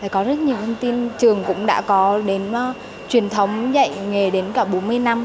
có rất nhiều thông tin trường cũng đã có đến truyền thống dạy nghề đến cả bốn mươi năm